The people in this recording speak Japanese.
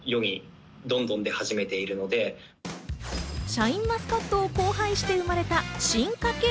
シャインマスカットを交配して生まれた進化系